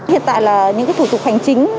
hiện tại là những thủ tục hành chính